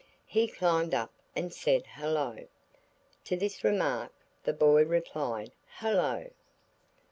He climbed up and said, "Hullo!" To this remark the boy replied, "Hullo!"